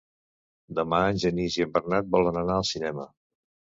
Demà en Genís i en Bernat volen anar al cinema.